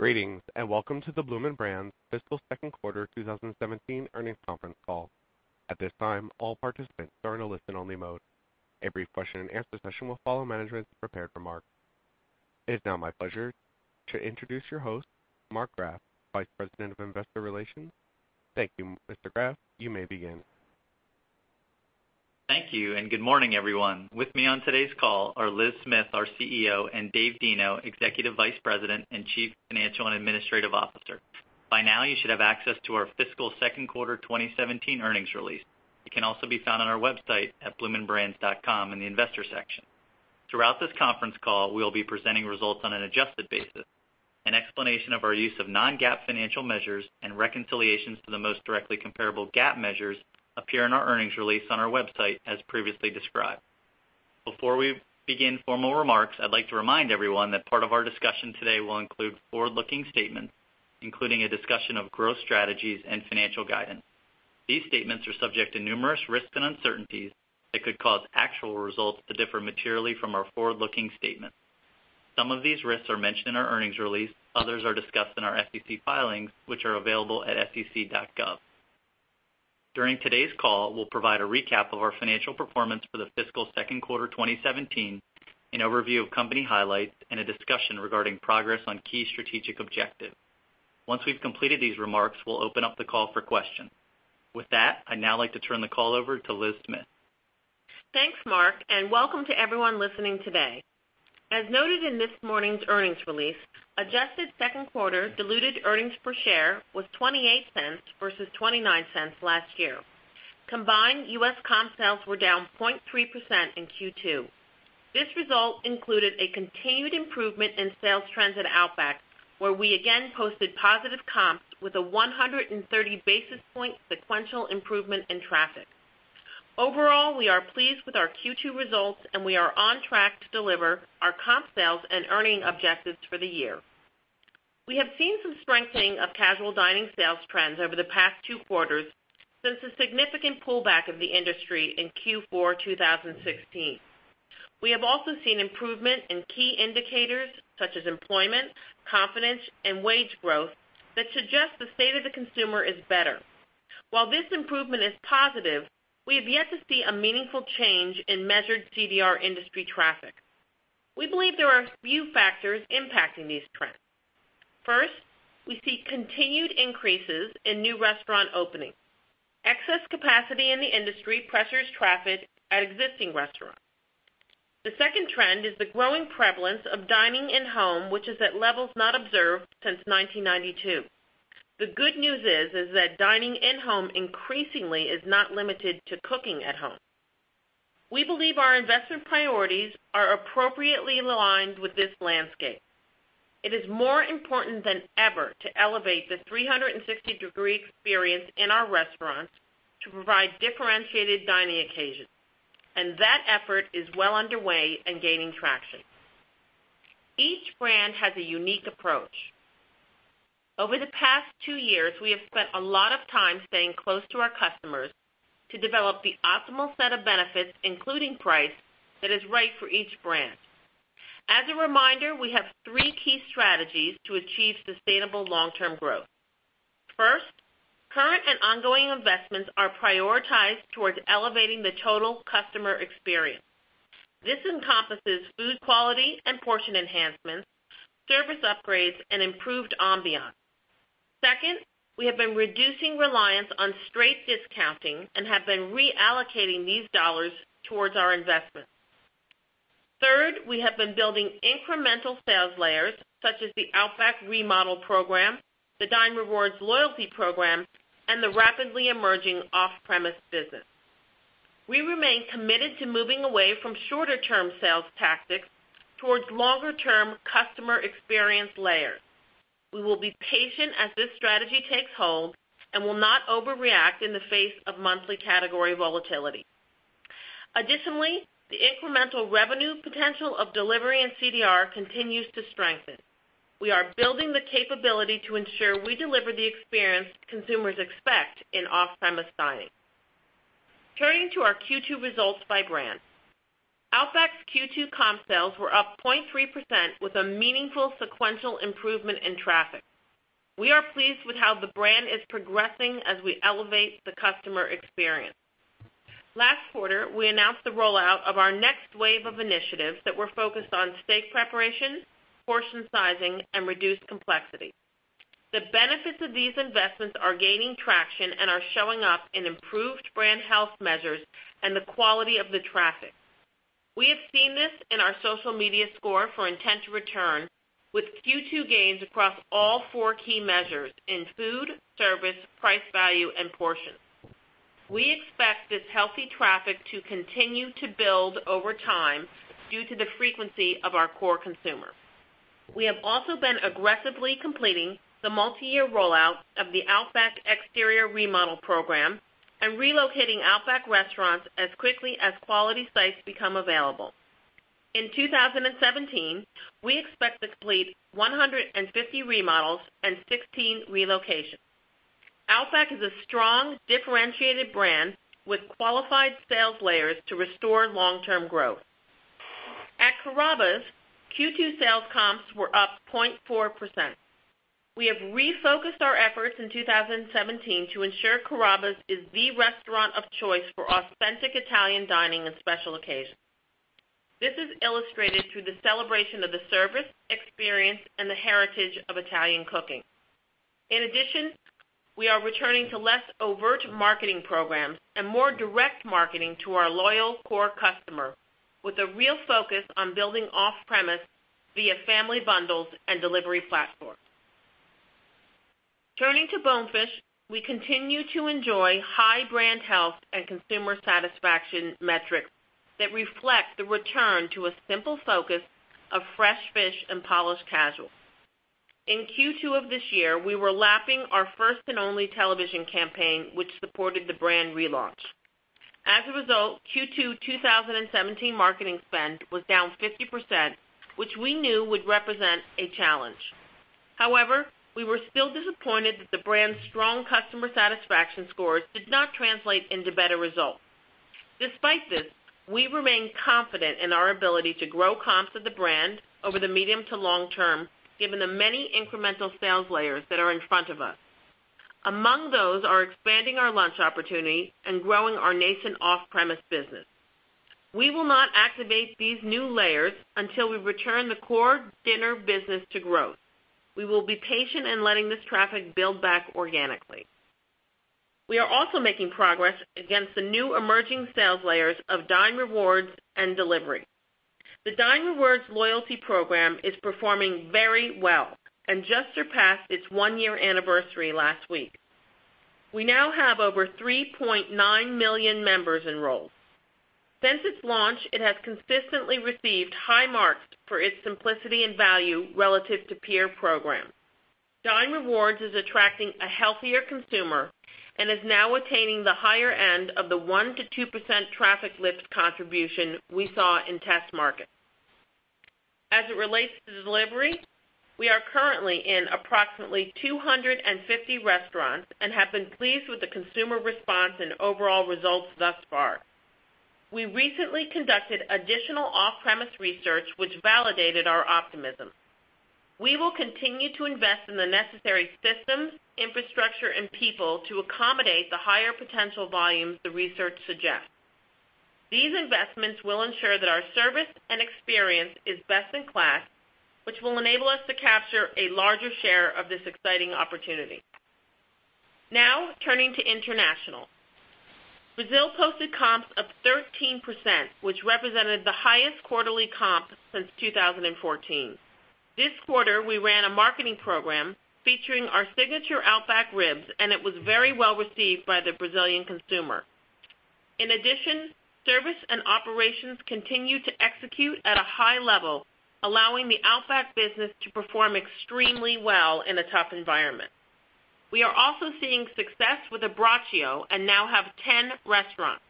Greetings. Welcome to the Bloomin' Brands fiscal second quarter 2017 earnings conference call. At this time, all participants are in a listen-only mode. A brief question and answer session will follow management's prepared remarks. It is now my pleasure to introduce your host, Mark Graff, Vice President of Investor Relations. Thank you, Mr. Graff. You may begin. Thank you. Good morning, everyone. With me on today's call are Liz Smith, our CEO, and Dave Deno, Executive Vice President and Chief Financial and Administrative Officer. By now you should have access to our fiscal second quarter 2017 earnings release. It can also be found on our website at bloominbrands.com in the Investor section. Throughout this conference call, we will be presenting results on an adjusted basis. An explanation of our use of non-GAAP financial measures and reconciliations to the most directly comparable GAAP measures appear in our earnings release on our website, as previously described. Before we begin formal remarks, I'd like to remind everyone that part of our discussion today will include forward-looking statements, including a discussion of growth strategies and financial guidance. These statements are subject to numerous risks and uncertainties that could cause actual results to differ materially from our forward-looking statements. Some of these risks are mentioned in our earnings release. Others are discussed in our SEC filings, which are available at sec.gov. During today's call, we'll provide a recap of our financial performance for the fiscal second quarter 2017, an overview of company highlights, and a discussion regarding progress on key strategic objectives. Once we've completed these remarks, we'll open up the call for questions. With that, I'd now like to turn the call over to Liz Smith. Thanks, Mark. Welcome to everyone listening today. As noted in this morning's earnings release, adjusted second quarter diluted earnings per share was $0.28 versus $0.29 last year. Combined U.S. comp sales were down 0.3% in Q2. This result included a continued improvement in sales trends at Outback, where we again posted positive comps with a 130-basis-point sequential improvement in traffic. Overall, we are pleased with our Q2 results, and we are on track to deliver our comp sales and earning objectives for the year. We have seen some strengthening of casual dining sales trends over the past two quarters since the significant pullback of the industry in Q4 2016. We have also seen improvement in key indicators such as employment, confidence, and wage growth that suggest the state of the consumer is better. While this improvement is positive, we have yet to see a meaningful change in measured CDR industry traffic. We believe there are a few factors impacting these trends. First, we see continued increases in new restaurant openings. Excess capacity in the industry pressures traffic at existing restaurants. The second trend is the growing prevalence of dining in-home, which is at levels not observed since 1992. The good news is that dining in-home increasingly is not limited to cooking at home. We believe our investment priorities are appropriately aligned with this landscape. It is more important than ever to elevate the 360-degree experience in our restaurants to provide differentiated dining occasions. That effort is well underway and gaining traction. Each brand has a unique approach. Over the past two years, we have spent a lot of time staying close to our customers to develop the optimal set of benefits, including price, that is right for each brand. As a reminder, we have three key strategies to achieve sustainable long-term growth. First, current and ongoing investments are prioritized towards elevating the total customer experience. This encompasses food quality and portion enhancements, service upgrades, and improved ambiance. Second, we have been reducing reliance on straight discounting and have been reallocating these dollars towards our investments. Third, we have been building incremental sales layers such as the Outback remodel program, the Dine Rewards loyalty program, and the rapidly emerging off-premise business. We remain committed to moving away from shorter-term sales tactics towards longer-term customer experience layers. We will be patient as this strategy takes hold and will not overreact in the face of monthly category volatility. Additionally, the incremental revenue potential of delivery and CDR continues to strengthen. We are building the capability to ensure we deliver the experience consumers expect in off-premise dining. Turning to our Q2 results by brand. Outback's Q2 comp sales were up 0.3% with a meaningful sequential improvement in traffic. We are pleased with how the brand is progressing as we elevate the customer experience. Last quarter, we announced the rollout of our next wave of initiatives that were focused on steak preparation, portion sizing, and reduced complexity. The benefits of these investments are gaining traction and are showing up in improved brand health measures and the quality of the traffic. We have seen this in our social media score for intent to return, with Q2 gains across all four key measures in food, service, price value, and portion. We expect this healthy traffic to continue to build over time due to the frequency of our core consumer. We have also been aggressively completing the multiyear rollout of the Outback exterior remodel program and relocating Outback restaurants as quickly as quality sites become available. In 2017, we expect to complete 150 remodels and 16 relocations. Outback is a strong, differentiated brand with qualified sales layers to restore long-term growth. At Carrabba's, Q2 sales comps were up 0.4%. We have refocused our efforts in 2017 to ensure Carrabba's is the restaurant of choice for authentic Italian dining and special occasions. This is illustrated through the celebration of the service, experience, and the heritage of Italian cooking. In addition, we are returning to less overt marketing programs and more direct marketing to our loyal core customer, with a real focus on building off-premise via family bundles and delivery platforms. Turning to Bonefish, we continue to enjoy high brand health and consumer satisfaction metrics that reflect the return to a simple focus of fresh fish and polished casual. In Q2 of this year, we were lapping our first and only television campaign, which supported the brand relaunch. As a result, Q2 2017 marketing spend was down 50%, which we knew would represent a challenge. However, we were still disappointed that the brand's strong customer satisfaction scores did not translate into better results. Despite this, we remain confident in our ability to grow comps of the brand over the medium to long term, given the many incremental sales layers that are in front of us. Among those are expanding our lunch opportunity and growing our nascent off-premise business. We will not activate these new layers until we return the core dinner business to growth. We will be patient in letting this traffic build back organically. We are also making progress against the new emerging sales layers of Dine Rewards and delivery. The Dine Rewards loyalty program is performing very well and just surpassed its one-year anniversary last week. We now have over 3.9 million members enrolled. Since its launch, it has consistently received high marks for its simplicity and value relative to peer programs. Dine Rewards is attracting a healthier consumer and is now attaining the higher end of the 1%-2% traffic lift contribution we saw in test markets. As it relates to delivery, we are currently in approximately 250 restaurants and have been pleased with the consumer response and overall results thus far. We recently conducted additional off-premise research which validated our optimism. We will continue to invest in the necessary systems, infrastructure, and people to accommodate the higher potential volumes the research suggests. These investments will ensure that our service and experience is best in class, which will enable us to capture a larger share of this exciting opportunity. Now, turning to international. Brazil posted comps of 13%, which represented the highest quarterly comp since 2014. This quarter, we ran a marketing program featuring our signature Outback ribs, and it was very well received by the Brazilian consumer. In addition, service and operations continue to execute at a high level, allowing the Outback business to perform extremely well in a tough environment. We are also seeing success with Abbraccio and now have 10 restaurants.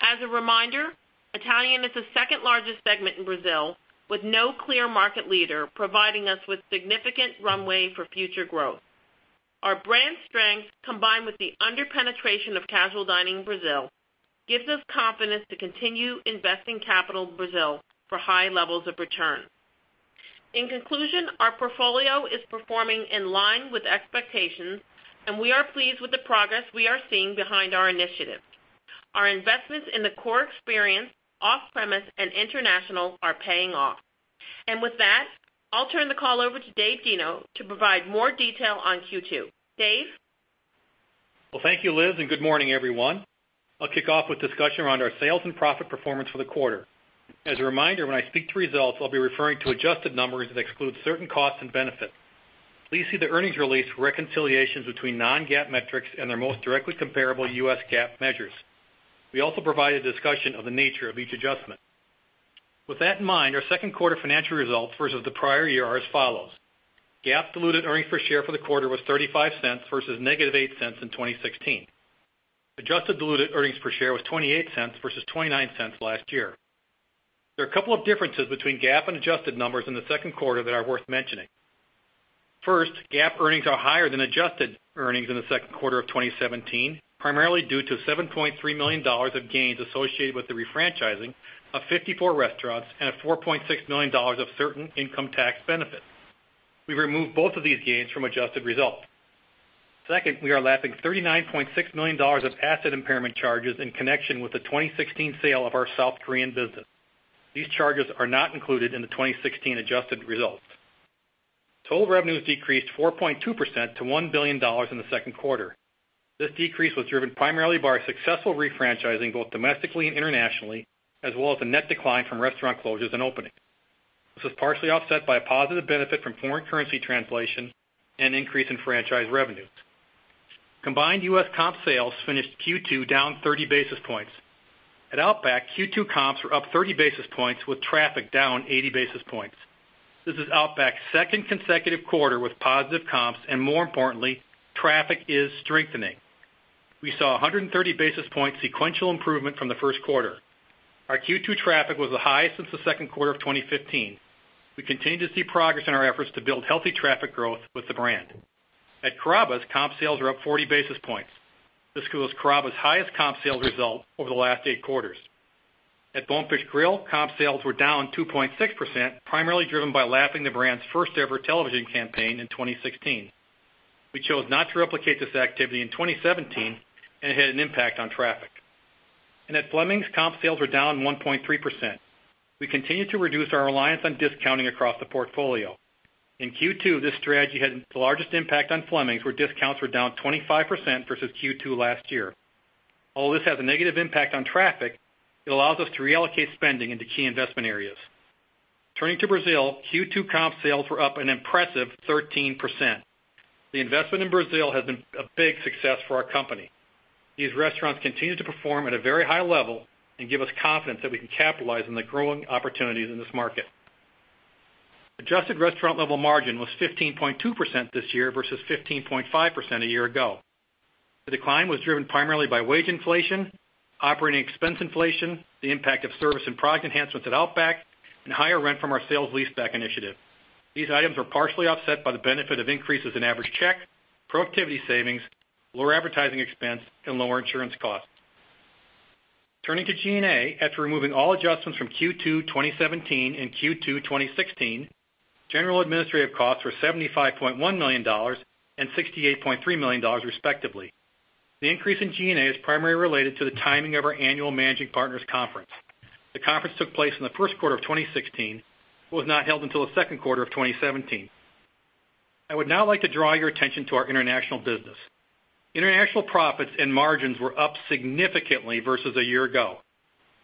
As a reminder, Italian is the second-largest segment in Brazil with no clear market leader, providing us with significant runway for future growth. Our brand strength, combined with the under-penetration of casual dining in Brazil, gives us confidence to continue investing capital in Brazil for high levels of return. In conclusion, our portfolio is performing in line with expectations, and we are pleased with the progress we are seeing behind our initiatives. Our investments in the core experience, off-premise, and international are paying off. With that, I'll turn the call over to Dave Deno to provide more detail on Q2. Dave? Well, thank you, Liz, and good morning, everyone. I'll kick off with a discussion around our sales and profit performance for the quarter. As a reminder, when I speak to results, I'll be referring to adjusted numbers that exclude certain costs and benefits. Please see the earnings release for reconciliations between non-GAAP metrics and their most directly comparable U.S. GAAP measures. We also provide a discussion of the nature of each adjustment. With that in mind, our second quarter financial results versus the prior year are as follows. GAAP diluted earnings per share for the quarter was $0.35 versus negative $0.08 in 2016. Adjusted diluted earnings per share was $0.28 versus $0.29 last year. There are a couple of differences between GAAP and adjusted numbers in the second quarter that are worth mentioning. First, GAAP earnings are higher than adjusted earnings in the second quarter of 2017, primarily due to $7.3 million of gains associated with the refranchising of 54 restaurants and $4.6 million of certain income tax benefits. We removed both of these gains from adjusted results. Second, we are lapping $39.6 million of asset impairment charges in connection with the 2016 sale of our South Korean business. These charges are not included in the 2016 adjusted results. Total revenues decreased 4.2% to $1 billion in the second quarter. This decrease was driven primarily by our successful refranchising, both domestically and internationally, as well as the net decline from restaurant closures and openings. This was partially offset by a positive benefit from foreign currency translation and increase in franchise revenues. Combined U.S. comp sales finished Q2 down 30 basis points. At Outback, Q2 comps were up 30 basis points with traffic down 80 basis points. This is Outback's second consecutive quarter with positive comps, and more importantly, traffic is strengthening. We saw 130 basis point sequential improvement from the first quarter. Our Q2 traffic was the highest since the second quarter of 2015. We continue to see progress in our efforts to build healthy traffic growth with the brand. At Carrabba's, comp sales are up 40 basis points. This equals Carrabba's highest comp sales result over the last eight quarters. At Bonefish Grill, comp sales were down 2.6%, primarily driven by lapping the brand's first-ever television campaign in 2016. We chose not to replicate this activity in 2017, and it had an impact on traffic. At Fleming's, comp sales were down 1.3%. We continue to reduce our reliance on discounting across the portfolio. In Q2, this strategy had the largest impact on Fleming's, where discounts were down 25% versus Q2 last year. While this has a negative impact on traffic, it allows us to reallocate spending into key investment areas. Turning to Brazil, Q2 comp sales were up an impressive 13%. The investment in Brazil has been a big success for our company. These restaurants continue to perform at a very high level and give us confidence that we can capitalize on the growing opportunities in this market. Adjusted restaurant level margin was 15.2% this year versus 15.5% a year ago. The decline was driven primarily by wage inflation, operating expense inflation, the impact of service and product enhancements at Outback, and higher rent from our sales leaseback initiative. These items were partially offset by the benefit of increases in average check, productivity savings, lower advertising expense, and lower insurance costs. Turning to G&A, after removing all adjustments from Q2 2017 and Q2 2016, general administrative costs were $75.1 million and $68.3 million, respectively. The increase in G&A is primarily related to the timing of our annual managing partners conference. The conference took place in the first quarter of 2016, but was not held until the second quarter of 2017. I would now like to draw your attention to our international business. International profits and margins were up significantly versus a year ago.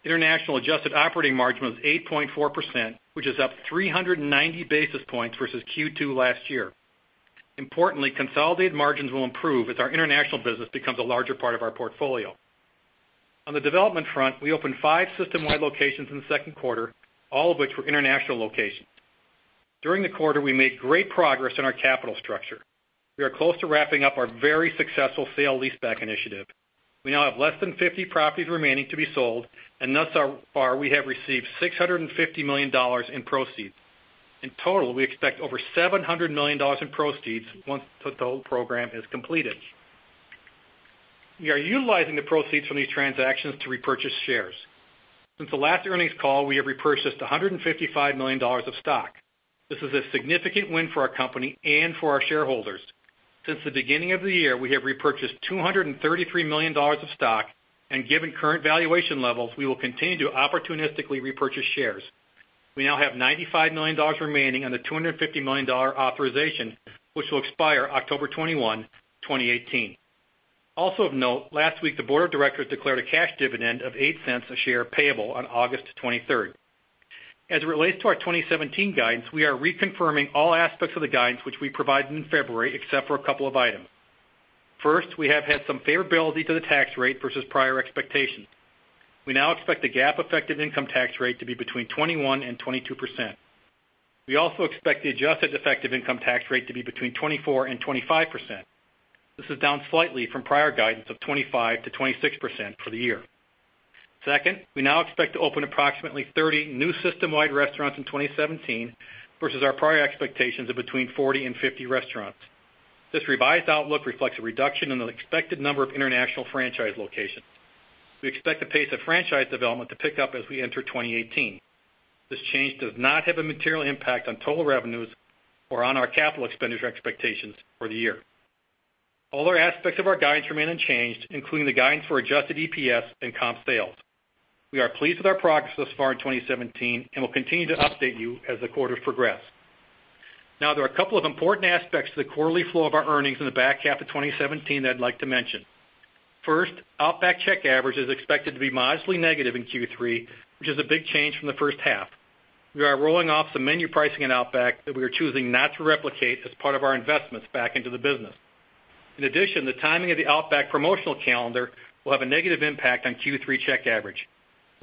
International adjusted operating margin was 8.4%, which is up 390 basis points versus Q2 last year. Importantly, consolidated margins will improve as our international business becomes a larger part of our portfolio. On the development front, we opened five system-wide locations in the second quarter, all of which were international locations. During the quarter, we made great progress on our capital structure. We are close to wrapping up our very successful sale leaseback initiative. We now have less than 50 properties remaining to be sold, and thus far, we have received $650 million in proceeds. In total, we expect over $700 million in proceeds once the total program is completed. We are utilizing the proceeds from these transactions to repurchase shares. Since the last earnings call, we have repurchased $155 million of stock. This is a significant win for our company and for our shareholders. Since the beginning of the year, we have repurchased $233 million of stock, and given current valuation levels, we will continue to opportunistically repurchase shares. We now have $95 million remaining on the $250 million authorization, which will expire October 21, 2018. Also of note, last week, the board of directors declared a cash dividend of $0.08 a share payable on August 23rd. As it relates to our 2017 guidance, we are reconfirming all aspects of the guidance which we provided in February, except for a couple of items. First, we have had some favorability to the tax rate versus prior expectations. We now expect the GAAP effective income tax rate to be between 21% and 22%. We also expect the adjusted effective income tax rate to be between 24% and 25%. This is down slightly from prior guidance of 25%-26% for the year. Second, we now expect to open approximately 30 new system-wide restaurants in 2017 versus our prior expectations of between 40 and 50 restaurants. This revised outlook reflects a reduction in the expected number of international franchise locations. We expect the pace of franchise development to pick up as we enter 2018. This change does not have a material impact on total revenues or on our capital expenditure expectations for the year. All other aspects of our guidance remain unchanged, including the guidance for adjusted EPS and comp sales. We are pleased with our progress thus far in 2017 and will continue to update you as the quarters progress. Now, there are a couple of important aspects to the quarterly flow of our earnings in the back half of 2017 that I'd like to mention. First, Outback check average is expected to be modestly negative in Q3, which is a big change from the first half. We are rolling off some menu pricing at Outback that we are choosing not to replicate as part of our investments back into the business. In addition, the timing of the Outback promotional calendar will have a negative impact on Q3 check average.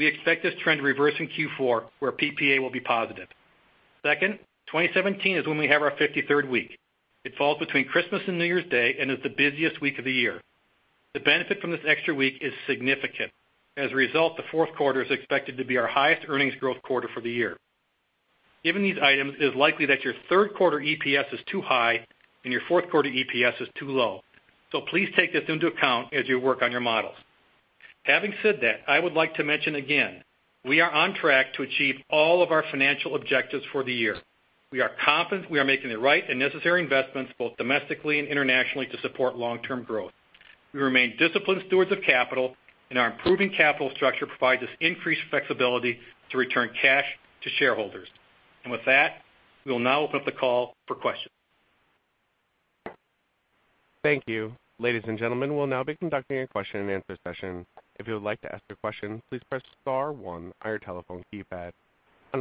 We expect this trend to reverse in Q4, where PPA will be positive. Second, 2017 is when we have our 53rd week. It falls between Christmas and New Year's Day and is the busiest week of the year. The benefit from this extra week is significant. As a result, the fourth quarter is expected to be our highest earnings growth quarter for the year. Given these items, it is likely that your third quarter EPS is too high and your fourth quarter EPS is too low. Please take this into account as you work on your models. Having said that, I would like to mention again, we are on track to achieve all of our financial objectives for the year. We are confident we are making the right and necessary investments, both domestically and internationally, to support long-term growth. We remain disciplined stewards of capital, and our improving capital structure provides us increased flexibility to return cash to shareholders. With that, we will now open up the call for questions. Thank you. Ladies and gentlemen, we'll now be conducting a question and answer session. If you would like to ask a question, please press star one on your telephone keypad. A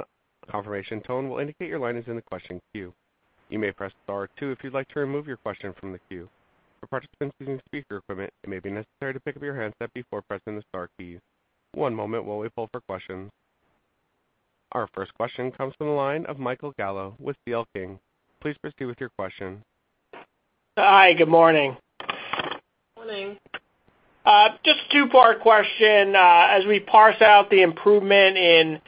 confirmation tone will indicate your line is in the question queue. You may press star two if you'd like to remove your question from the queue. For participants using speaker equipment, it may be necessary to pick up your handset before pressing the star keys. One moment while we pull for questions. Our first question comes from the line of Michael Gallo with C.L. King. Please proceed with your question. Hi, good morning. Morning. Just a two-part question. As we parse out the improvement in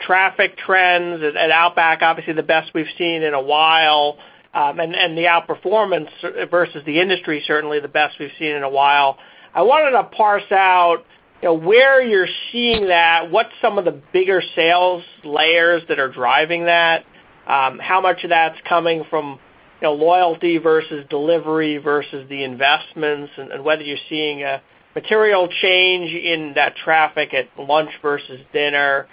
traffic trends at Outback, obviously the best we've seen in a while, and the outperformance versus the industry, certainly the best we've seen in a while. I wanted to parse out where you're seeing that, what's some of the bigger sales layers that are driving that? How much of that's coming from loyalty versus delivery versus the investments, and whether you're seeing a material change in that traffic at lunch versus dinner.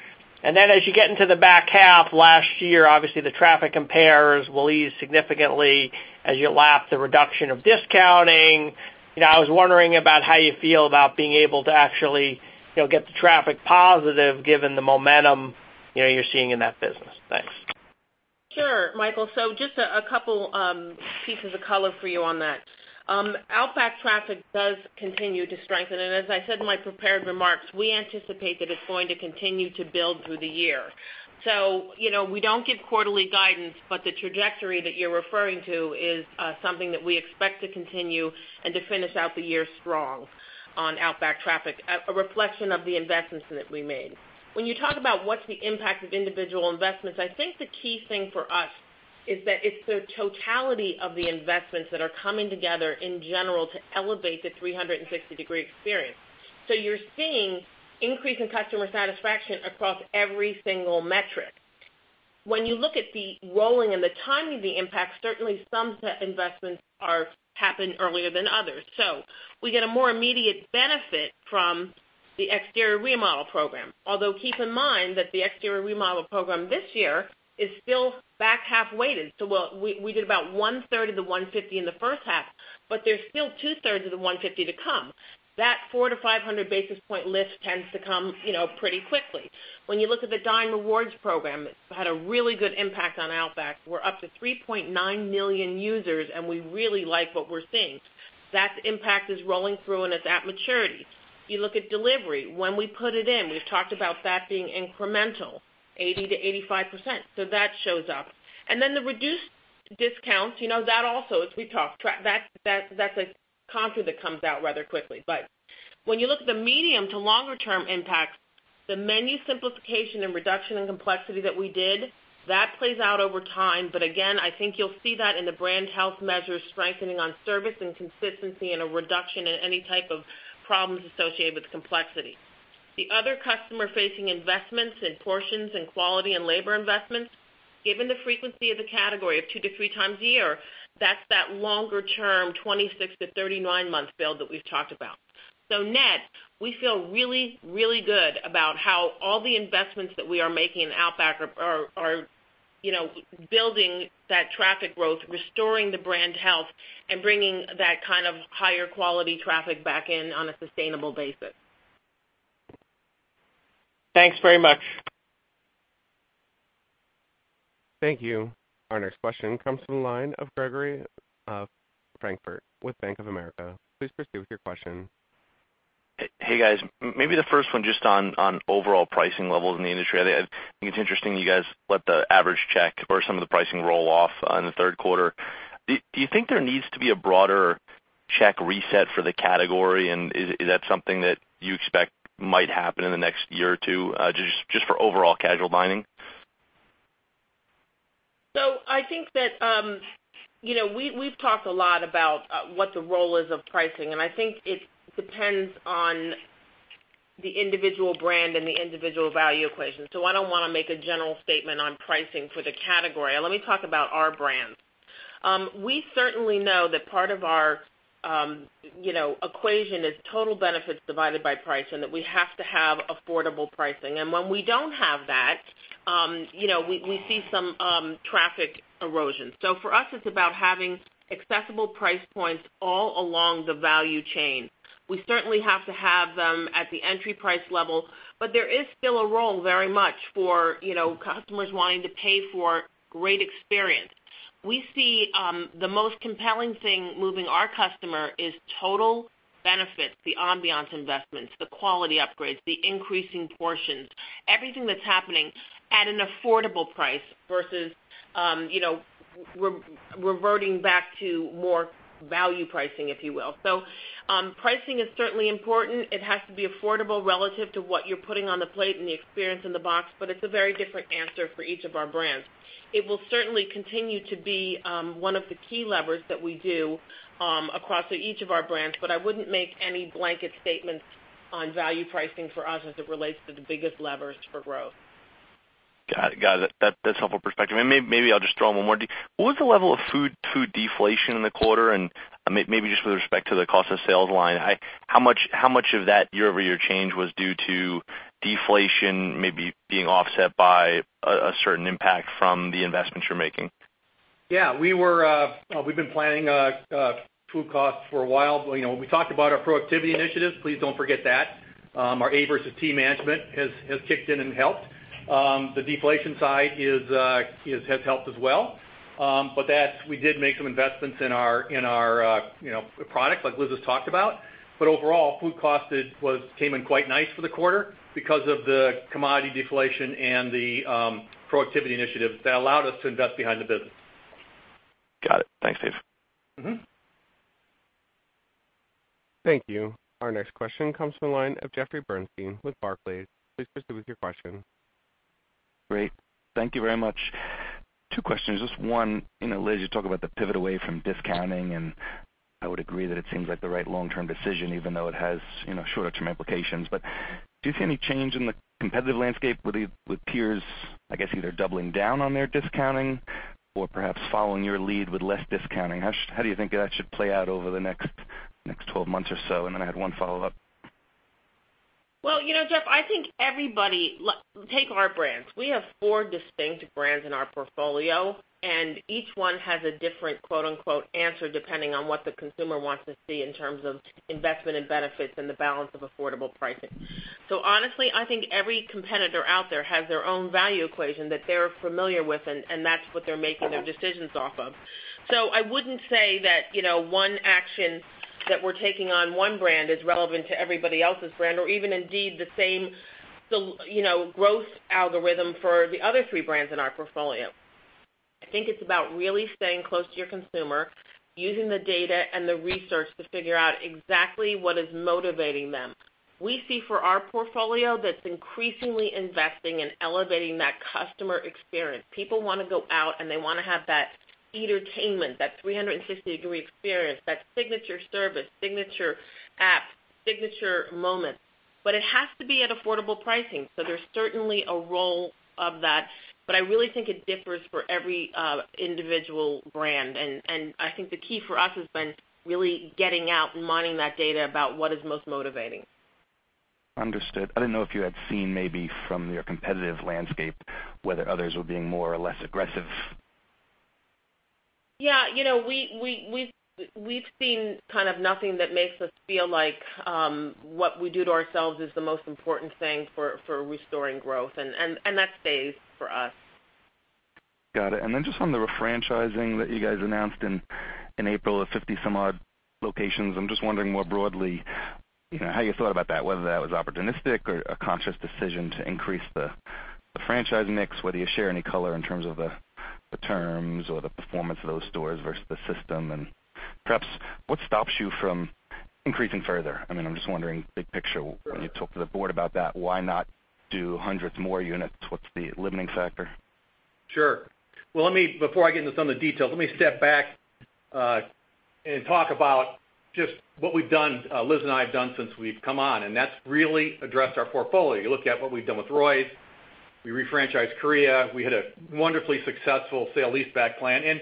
Then as you get into the back half, last year, obviously, the traffic compares will ease significantly as you lap the reduction of discounting. I was wondering about how you feel about being able to actually get the traffic positive given the momentum you're seeing in that business. Thanks. Sure, Michael. Just a couple pieces of color for you on that. Outback traffic does continue to strengthen, and as I said in my prepared remarks, we anticipate that it's going to continue to build through the year. We don't give quarterly guidance, but the trajectory that you're referring to is something that we expect to continue and to finish out the year strong on Outback traffic, a reflection of the investments that we made. When you talk about what's the impact of individual investments, I think the key thing for us is that it's the totality of the investments that are coming together in general to elevate the 360-degree experience. You're seeing increase in customer satisfaction across every single metric. When you look at the rolling and the timing of the impact, certainly some investments happen earlier than others. We get a more immediate benefit from the exterior remodel program. Although, keep in mind that the exterior remodel program this year is still back-half weighted. We did about one-third of the 150 in the first half, but there's still two-thirds of the 150 to come. That 400 to 500 basis points lift tends to come pretty quickly. When you look at the Dine Rewards program, it's had a really good impact on Outback. We're up to 3.9 million users, and we really like what we're seeing. That impact is rolling through, and it's at maturity. You look at delivery. When we put it in, we've talked about that being incremental, 80%-85%, so that shows up. Then the reduced discounts, that also, as we've talked, that's a contra that comes out rather quickly. When you look at the medium to longer term impacts, the menu simplification and reduction in complexity that we did, that plays out over time. Again, I think you'll see that in the brand health measures strengthening on service and consistency and a reduction in any type of problems associated with complexity. The other customer-facing investments in portions and quality and labor investments, given the frequency of the category of 2-3 times a year, that's that longer-term 26 months-39 months build that we've talked about. Net, we feel really, really good about how all the investments that we are making in Outback are building that traffic growth, restoring the brand health, and bringing that kind of higher quality traffic back in on a sustainable basis. Thanks very much. Thank you. Our next question comes from the line of Gregory Francfort with Bank of America. Please proceed with your question. Hey, guys. Maybe the first one just on overall pricing levels in the industry. I think it's interesting you guys let the average check for some of the pricing roll off on the third quarter. Do you think there needs to be a broader check reset for the category, and is that something that you expect might happen in the next year or two, just for overall casual dining? I think that we've talked a lot about what the role is of pricing, I think it depends on the individual brand and the individual value equation. I don't want to make a general statement on pricing for the category. Let me talk about our brands. We certainly know that part of our equation is total benefits divided by price, that we have to have affordable pricing. When we don't have that, we see some traffic erosion. For us, it's about having accessible price points all along the value chain. We certainly have to have them at the entry price level, but there is still a role very much for customers wanting to pay for great experience. We see the most compelling thing moving our customer is total benefits, the ambiance investments, the quality upgrades, the increasing portions, everything that's happening at an affordable price versus reverting back to more value pricing, if you will. Pricing is certainly important. It has to be affordable relative to what you're putting on the plate and the experience in the box, it's a very different answer for each of our brands. It will certainly continue to be one of the key levers that we do across each of our brands, I wouldn't make any blanket statements on value pricing for us as it relates to the biggest levers for growth. Got it. That's helpful perspective, maybe I'll just throw in one more. What was the level of food deflation in the quarter, maybe just with respect to the cost of sales line, how much of that year-over-year change was due to deflation maybe being offset by a certain impact from the investments you're making? Yeah. We've been planning food costs for a while. We talked about our productivity initiatives. Please don't forget that. Our A vs. T management has kicked in and helped. The deflation side has helped as well. That, we did make some investments in our product, like Liz has talked about Overall, food cost came in quite nice for the quarter because of the commodity deflation and the productivity initiatives that allowed us to invest behind the business. Got it. Thanks, Dave. Thank you. Our next question comes from the line of Jeffrey Bernstein with Barclays. Please proceed with your question. Great. Thank you very much. Two questions. Just one, Liz, you talk about the pivot away from discounting, and I would agree that it seems like the right long-term decision, even though it has shorter-term implications. Do you see any change in the competitive landscape with peers, I guess, either doubling down on their discounting or perhaps following your lead with less discounting? How do you think that should play out over the next 12 months or so? Then I had one follow-up. Well, Jeff, I think everybody Take our brands. We have four distinct brands in our portfolio, each one has a different, quote-unquote, answer, depending on what the consumer wants to see in terms of investment and benefits and the balance of affordable pricing. Honestly, I think every competitor out there has their own value equation that they're familiar with, and that's what they're making their decisions off of. I wouldn't say that one action that we're taking on one brand is relevant to everybody else's brand, or even indeed the same growth algorithm for the other three brands in our portfolio. I think it's about really staying close to your consumer, using the data and the research to figure out exactly what is motivating them. We see for our portfolio that's increasingly investing in elevating that customer experience. People want to go out, they want to have that entertainment, that 360-degree experience, that signature service, signature app, signature moment. It has to be at affordable pricing. There's certainly a role of that. I really think it differs for every individual brand. I think the key for us has been really getting out and mining that data about what is most motivating. Understood. I didn't know if you had seen maybe from your competitive landscape whether others were being more or less aggressive. Yeah. We've seen kind of nothing that makes us feel like what we do to ourselves is the most important thing for restoring growth. That stays for us. Got it. Just on the refranchising that you guys announced in April of 50 some odd locations, I'm just wondering more broadly, how you thought about that, whether that was opportunistic or a conscious decision to increase the franchise mix. Whether you share any color in terms of the terms or the performance of those stores versus the system, perhaps what stops you from increasing further. I'm just wondering, big picture, when you talk to the board about that, why not do hundreds more units? What's the limiting factor? Sure. Before I get into some of the details, let me step back and talk about just what Liz and I have done since we've come on, that's really addressed our portfolio. You look at what we've done with Roy's. We refranchised Korea. We had a wonderfully successful sale-leaseback plan.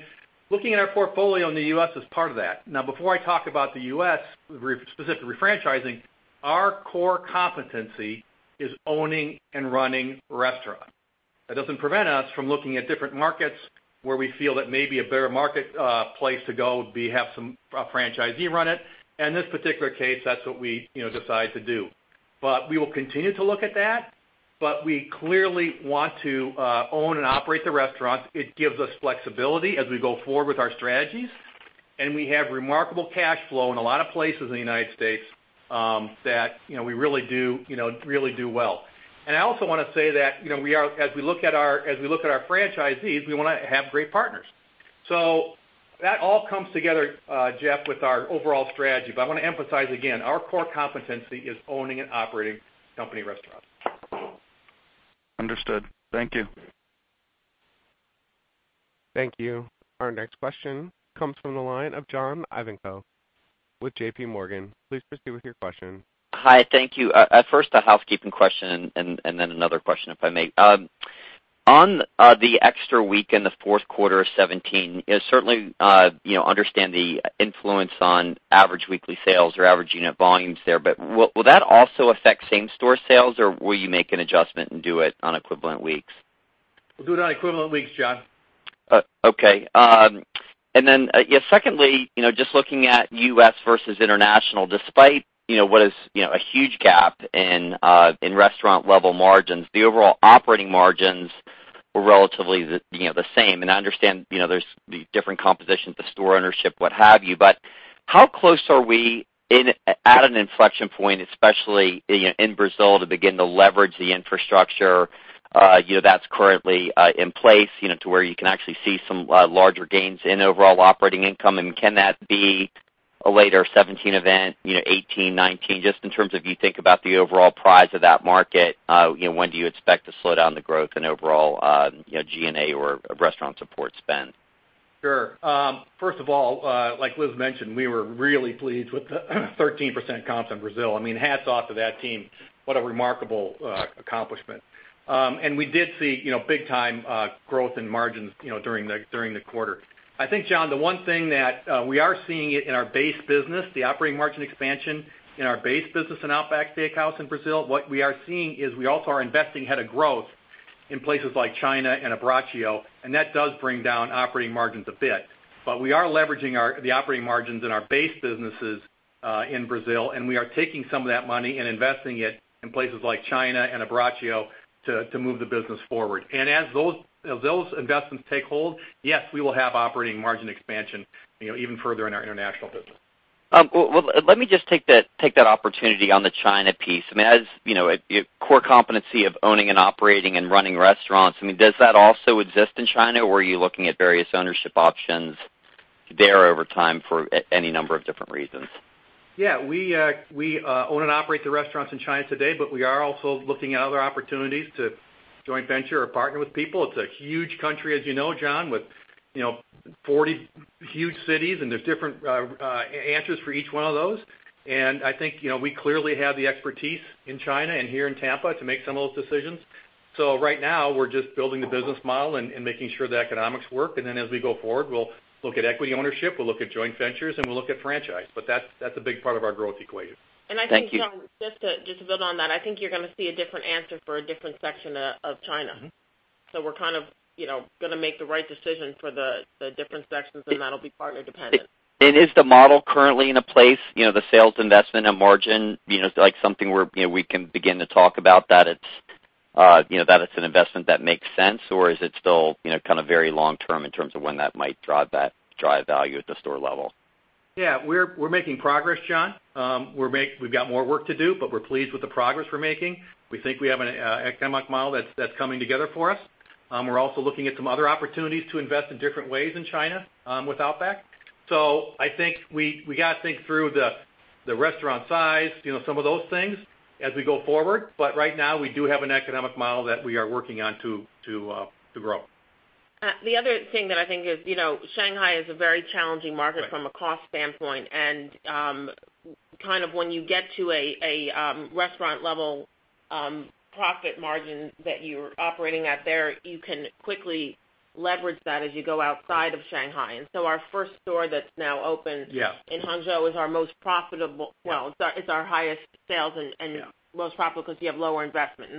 Looking at our portfolio in the U.S. is part of that. Before I talk about the U.S., specifically refranchising, our core competency is owning and running restaurants. That doesn't prevent us from looking at different markets where we feel that maybe a better marketplace to go would be have a franchisee run it. In this particular case, that's what we decided to do. We will continue to look at that, but we clearly want to own and operate the restaurants. It gives us flexibility as we go forward with our strategies, we have remarkable cash flow in a lot of places in the United States that we really do well. I also want to say that as we look at our franchisees, we want to have great partners. That all comes together, Jeff, with our overall strategy. I want to emphasize again, our core competency is owning and operating company restaurants. Understood. Thank you. Thank you. Our next question comes from the line of John Ivankoe with JPMorgan. Please proceed with your question. Hi, thank you. First, a housekeeping question, and then another question, if I may. On the extra week in the fourth quarter of 2017, certainly understand the influence on average weekly sales or average unit volumes there. Will that also affect same-store sales, or will you make an adjustment and do it on equivalent weeks? We'll do it on equivalent weeks, John. Okay. Secondly, just looking at U.S. versus international, despite what is a huge gap in restaurant level margins, the overall operating margins were relatively the same. I understand there's the different compositions of store ownership, what have you. How close are we at an inflection point, especially in Brazil, to begin to leverage the infrastructure that's currently in place to where you can actually see some larger gains in overall operating income? Can that be a later 2017 event, 2018, 2019? Just in terms of you think about the overall prize of that market when do you expect to slow down the growth and overall G&A or restaurant support spend? Sure. First of all, like Liz mentioned, we were really pleased with the 13% comps in Brazil. Hats off to that team. What a remarkable accomplishment. We did see big time growth in margins during the quarter. I think, John, the one thing that we are seeing it in our base business, the operating margin expansion in our base business in Outback Steakhouse in Brazil. What we are seeing is we also are investing ahead of growth in places like China and Abbraccio, and that does bring down operating margins a bit. We are leveraging the operating margins in our base businesses in Brazil, and we are taking some of that money and investing it in places like China and Abbraccio to move the business forward. As those investments take hold, yes, we will have operating margin expansion even further in our international business. Let me just take that opportunity on the China piece. As a core competency of owning and operating and running restaurants, does that also exist in China, or are you looking at various ownership options there over time for any number of different reasons? We own and operate the restaurants in China today, we are also looking at other opportunities to joint venture or partner with people. It's a huge country, as you know, John, with 40 huge cities, there's different answers for each one of those. I think we clearly have the expertise in China and here in Tampa to make some of those decisions. Right now, we're just building the business model and making sure the economics work. As we go forward, we'll look at equity ownership, we'll look at joint ventures, and we'll look at franchise. That's a big part of our growth equation. Thank you. I think, John, just to build on that, I think you're going to see a different answer for a different section of China. We're going to make the right decision for the different sections, and that'll be partner dependent. Is the model currently in a place, the sales investment and margin, like something where we can begin to talk about that it's an investment that makes sense, or is it still very long term in terms of when that might drive value at the store level? Yeah. We're making progress, John. We've got more work to do, but we're pleased with the progress we're making. We think we have an economic model that's coming together for us. We're also looking at some other opportunities to invest in different ways in China with Outback. I think we got to think through the restaurant size, some of those things as we go forward. Right now, we do have an economic model that we are working on to grow. The other thing that I think is Shanghai is a very challenging market from a cost standpoint. When you get to a restaurant level profit margin that you're operating at there, you can quickly leverage that as you go outside of Shanghai. Our first store that's now open. Yeah in Hangzhou is our most profitable. Well, it's our highest sales and most profitable because you have lower investment.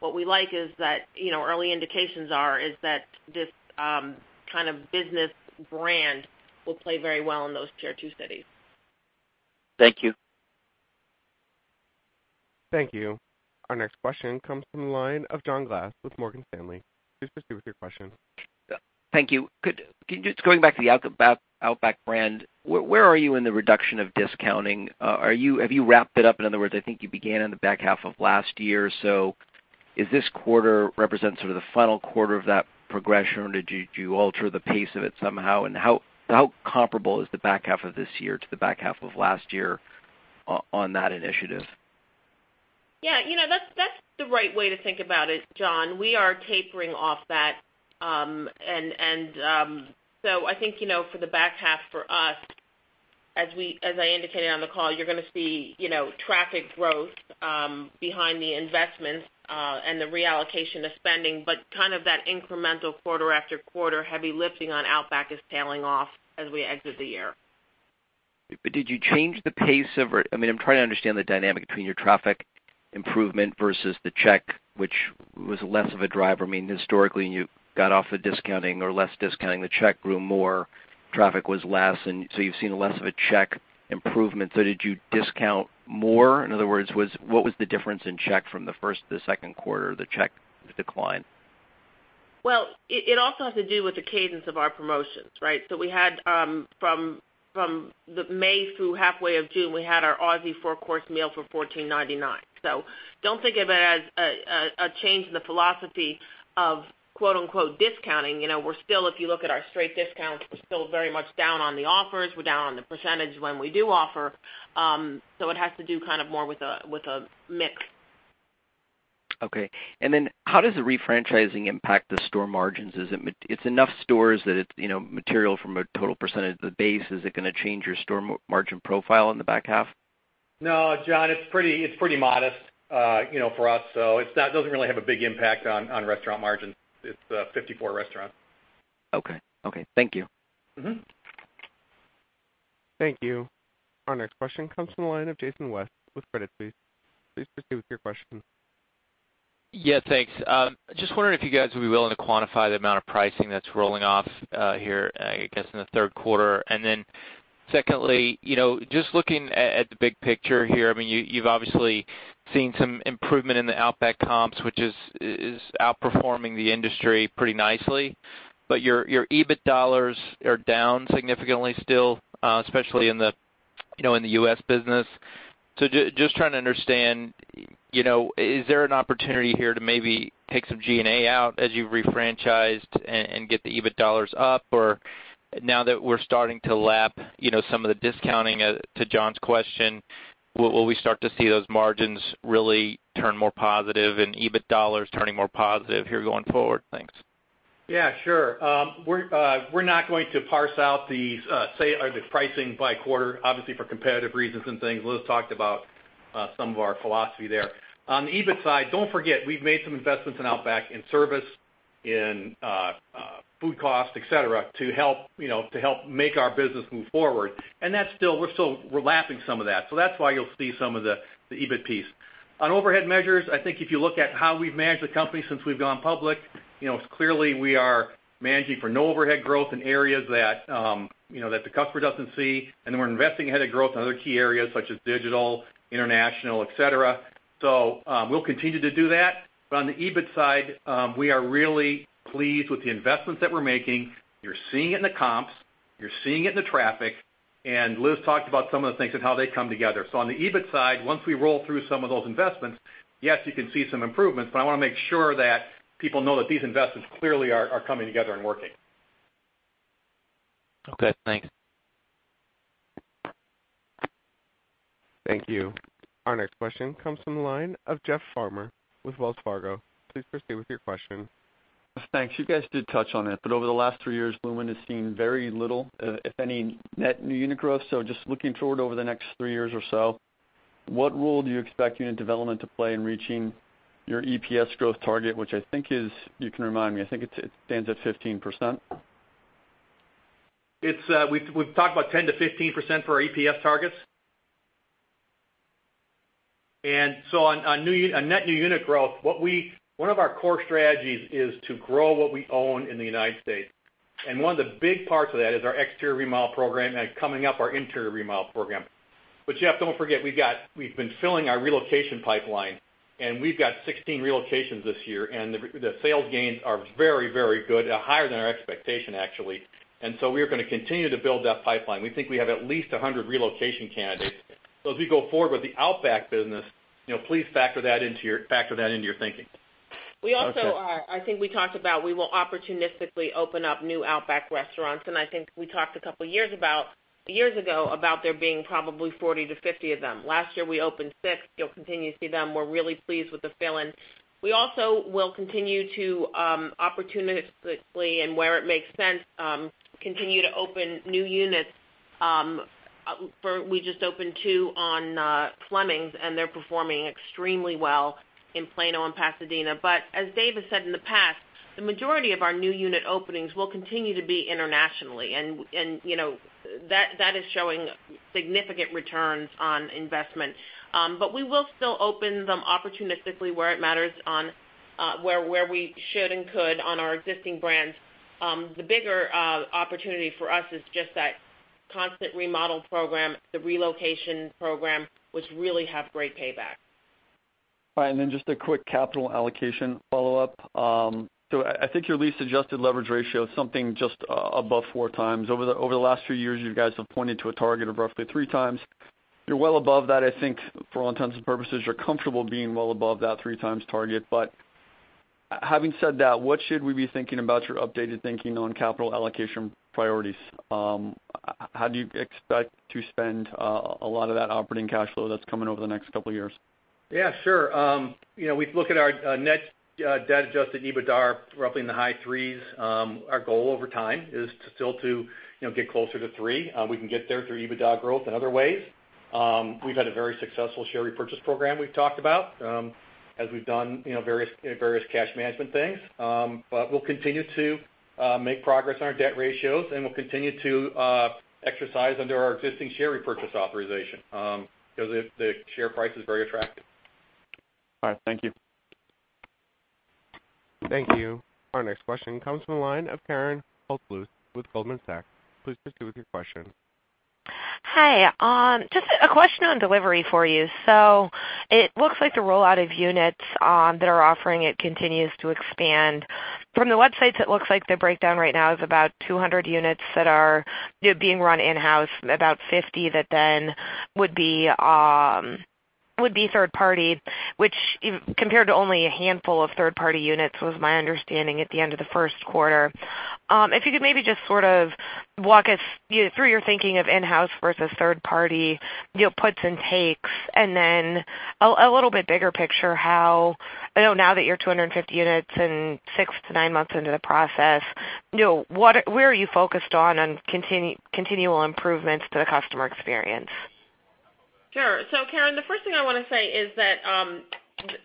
What we like is that early indications are, is that this kind of business brand will play very well in those tier 2 cities. Thank you. Thank you. Our next question comes from the line of John Glass with Morgan Stanley. Please proceed with your question. Thank you. Just going back to the Outback brand, where are you in the reduction of discounting? Have you wrapped it up? In other words, I think you began in the back half of last year. Is this quarter represent sort of the final quarter of that progression, or did you alter the pace of it somehow? How comparable is the back half of this year to the back half of last year on that initiative? That's the right way to think about it, John. We are tapering off that. I think, for the back half for us, as I indicated on the call, you're going to see traffic growth behind the investments and the reallocation of spending. Kind of that incremental quarter after quarter heavy lifting on Outback is tailing off as we exit the year. Did you change the pace of it? I'm trying to understand the dynamic between your traffic improvement versus the check, which was less of a driver. Historically, you got off the discounting or less discounting. The check grew more, traffic was less. You've seen less of a check improvement. Did you discount more? In other words, what was the difference in check from the first to the second quarter, the check decline? Well, it also has to do with the cadence of our promotions, right? From May through halfway of June, we had our Aussie 3-Course Meal for $14.99. Don't think of it as a change in the philosophy of "discounting." If you look at our straight discounts, we're still very much down on the offers. We're down on the percentage when we do offer. It has to do kind of more with a mix. Okay. How does the refranchising impact the store margins? It's enough stores that it's material from a total percentage of the base. Is it going to change your store margin profile in the back half? No, John, it's pretty modest for us. It doesn't really have a big impact on restaurant margins. It's 54 restaurants. Okay. Thank you. Thank you. Our next question comes from the line of Jason West with Credit Suisse. Please proceed with your question. Yeah, thanks. Just wondering if you guys would be willing to quantify the amount of pricing that's rolling off here, I guess, in the third quarter. Secondly, just looking at the big picture here, you've obviously seen some improvement in the Outback comps, which is outperforming the industry pretty nicely. But your EBIT dollars are down significantly still, especially in the U.S. business. Just trying to understand, is there an opportunity here to maybe take some G&A out as you refranchised and get the EBIT dollars up? Now that we're starting to lap some of the discounting to John's question, will we start to see those margins really turn more positive and EBIT dollars turning more positive here going forward? Thanks. Yeah, sure. We're not going to parse out the pricing by quarter, obviously for competitive reasons and things. Liz talked about some of our philosophy there. On the EBIT side, don't forget, we've made some investments in Outback, in service, in food cost, et cetera, to help make our business move forward. We're still lapping some of that. That's why you'll see some of the EBIT piece. On overhead measures, I think if you look at how we've managed the company since we've gone public, clearly we are managing for no overhead growth in areas that the customer doesn't see, and we're investing ahead of growth in other key areas such as digital, international, et cetera. We'll continue to do that. On the EBIT side, we are really pleased with the investments that we're making. You're seeing it in the comps, you're seeing it in the traffic, and Liz talked about some of the things and how they come together. On the EBIT side, once we roll through some of those investments, yes, you can see some improvements, but I want to make sure that people know that these investments clearly are coming together and working. Okay, thanks. Thank you. Our next question comes from the line of Jeff Farmer with Wells Fargo. Please proceed with your question. Thanks. You guys did touch on it, but over the last three years, Bloomin' has seen very little, if any, net new unit growth. Just looking forward over the next three years or so, what role do you expect unit development to play in reaching your EPS growth target, which I think is, you can remind me, I think it stands at 15%? We've talked about 10%-15% for our EPS targets. On net new unit growth, one of our core strategies is to grow what we own in the United States. One of the big parts of that is our exterior remodel program and coming up our interior remodel program. Jeff, don't forget, we've been filling our relocation pipeline, and we've got 16 relocations this year, and the sales gains are very good, higher than our expectation, actually. We are going to continue to build that pipeline. We think we have at least 100 relocation candidates. As we go forward with the Outback business, please factor that into your thinking. Okay. We also, we will opportunistically open up new Outback restaurants, and I think we talked a couple years ago about there being probably 40-50 of them. Last year, we opened six. You'll continue to see them. We're really pleased with the fill-ins. We also will continue to opportunistically, and where it makes sense, continue to open new units. We just opened two on Fleming's, and they're performing extremely well in Plano and Pasadena. As Dave has said in the past, the majority of our new unit openings will continue to be internationally, and that is showing significant returns on investment. We will still open them opportunistically where it matters, where we should and could on our existing brands. The bigger opportunity for us is just that constant remodel program, the relocation program, which really have great payback. Fine. Just a quick capital allocation follow-up. I think your lease-adjusted leverage ratio is something just above four times. Over the last few years, you guys have pointed to a target of roughly three times. You're well above that. I think for all intents and purposes, you're comfortable being well above that three times target. Having said that, what should we be thinking about your updated thinking on capital allocation priorities? How do you expect to spend a lot of that operating cash flow that's coming over the next couple of years? Yeah, sure. We look at our net debt adjusted EBITDAR roughly in the high threes. Our goal over time is still to get closer to three. We can get there through EBITDA growth and other ways. We've had a very successful share repurchase program we've talked about, as we've done various cash management things. We'll continue to make progress on our debt ratios, and we'll continue to exercise under our existing share repurchase authorization, because the share price is very attractive. All right. Thank you. Thank you. Our next question comes from the line of Karen Holthouse with Goldman Sachs. Please proceed with your question. Hi. Just a question on delivery for you. It looks like the rollout of units that are offering it continues to expand. From the websites, it looks like the breakdown right now is about 200 units that are being run in-house, about 50 that would be third partied, which compared to only a handful of third-party units was my understanding at the end of the first quarter. If you could maybe just sort of walk us through your thinking of in-house versus third party, puts and takes, a little bit bigger picture, how, I know now that you're 250 units and six to nine months into the process, where are you focused on continual improvements to the customer experience? Sure. Karen, the first thing I want to say is that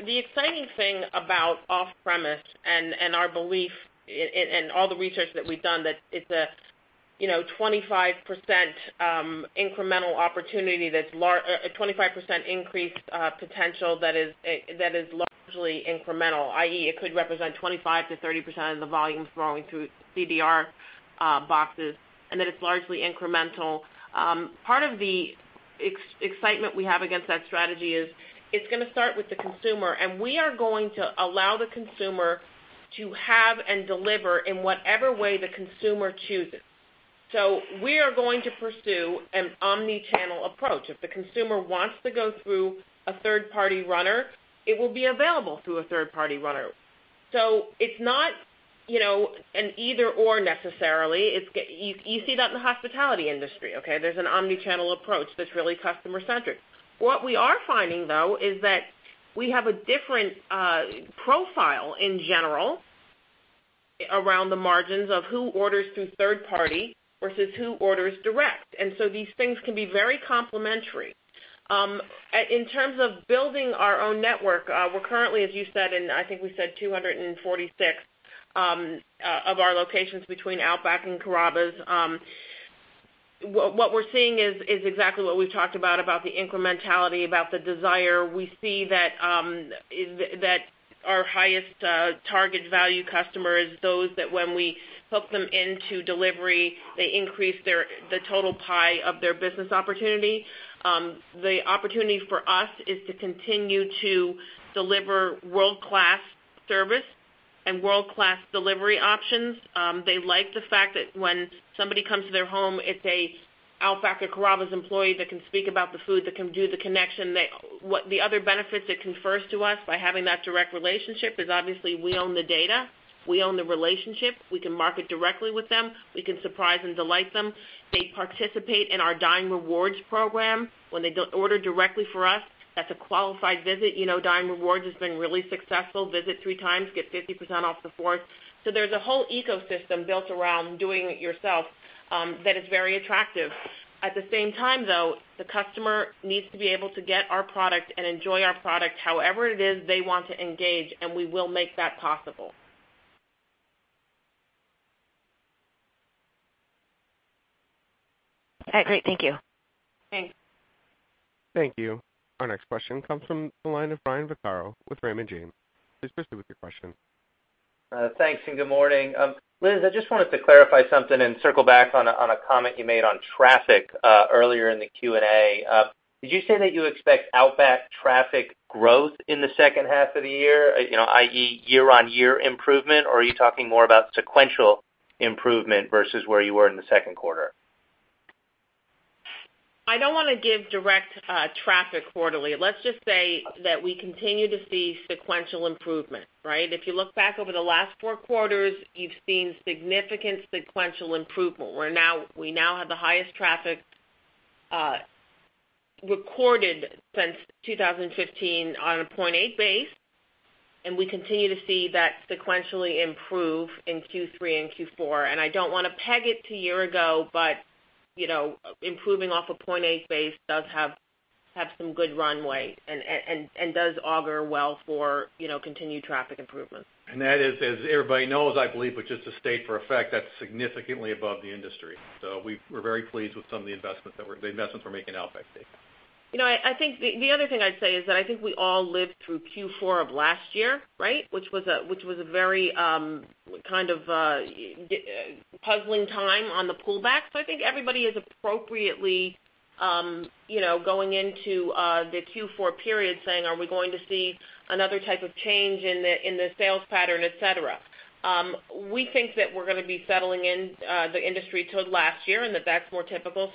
the exciting thing about off-premise and our belief and all the research that we've done, that it's a 25% increased potential that is largely incremental, i.e., it could represent 25%-30% of the volumes flowing through CDR boxes, and that it's largely incremental. Part of the excitement we have against that strategy is it's going to start with the consumer, and we are going to allow the consumer to have and deliver in whatever way the consumer chooses. We are going to pursue an omni-channel approach. If the consumer wants to go through a third-party runner, it will be available through a third-party runner. It's not an either/or necessarily. You see that in the hospitality industry. There's an omni-channel approach that's really customer centric. What we are finding, though, is that we have a different profile in general around the margins of who orders through third party versus who orders direct. These things can be very complementary. In terms of building our own network, we're currently, as you said, and I think we said 246 of our locations between Outback and Carrabba's. What we're seeing is exactly what we've talked about the incrementality, about the desire. Our highest target value customer is those that when we hook them into delivery, they increase the total pie of their business opportunity. The opportunity for us is to continue to deliver world-class service and world-class delivery options. They like the fact that when somebody comes to their home, it's a Outback or Carrabba's employee that can speak about the food, that can do the connection. The other benefits it confers to us by having that direct relationship is obviously we own the data, we own the relationship, we can market directly with them, we can surprise and delight them. They participate in our Dine Rewards program. When they order directly from us, that's a qualified visit. Dine Rewards has been really successful. Visit three times, get 50% off the fourth. There's a whole ecosystem built around doing it yourself that is very attractive. At the same time, though, the customer needs to be able to get our product and enjoy our product however it is they want to engage, and we will make that possible. All right, great. Thank you. Thanks. Thank you. Our next question comes from the line of Brian Vaccaro with Raymond James. Please proceed with your question. Thanks. Good morning. Liz, I just wanted to clarify something and circle back on a comment you made on traffic earlier in the Q&A. Did you say that you expect Outback traffic growth in the second half of the year, i.e., year-over-year improvement, or are you talking more about sequential improvement versus where you were in the second quarter? I don't want to give direct traffic quarterly. Let's just say that we continue to see sequential improvement. If you look back over the last four quarters, you've seen significant sequential improvement, where we now have the highest traffic recorded since 2015 on a 0.8 base, and we continue to see that sequentially improve in Q3 and Q4. I don't want to peg it to a year ago, but improving off a 0.8 base does have some good runway and does augur well for continued traffic improvements. That is, as everybody knows, I believe, but just to state for effect, that's significantly above the industry. We're very pleased with some of the investments we're making at Outback Steakhouse. We all lived through Q4 of last year, which was a very puzzling time on the pullback. I think everybody is appropriately going into the Q4 period saying, "Are we going to see another type of change in the sales pattern, et cetera?" We think that we're going to be settling in the industry to last year and that that's more typical.